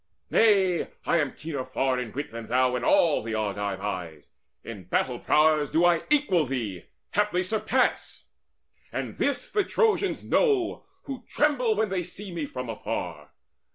Nay, I am keener far Of wit than thou in all the Argives' eyes. In battle prowess do I equal thee Haply surpass; and this the Trojans know, Who tremble when they see me from afar.